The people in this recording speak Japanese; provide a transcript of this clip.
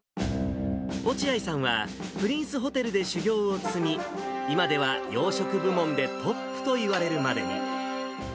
落合さんは、プリンスホテルで修業を積み、今では洋食部門でトップと言われるまでに。